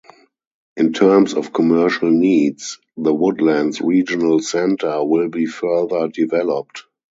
In terms of commercial needs, the Woodlands Regional Centre will be further developed.